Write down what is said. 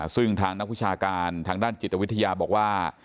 ซึ่งทางนักวิชาการทางด้านจิตวิทยาบอกว่า